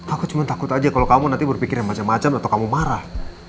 aku cuma takut aja kalau kamu nanti berpikir yang macam macam atau kamu marah